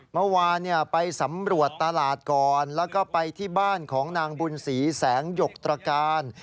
เมื่อวานไปสำรวจตลาดก่อนแล้วก็ไปที่บ้านของนางบุญศรีแสงหยกตรการ